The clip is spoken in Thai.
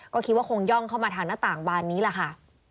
ก็คิดว่าคงย่องเข้ามาทางหน้าต่างบานนี้แหละค่ะ